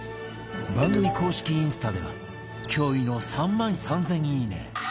番組公式インスタでは驚異の３万３０００「いいね」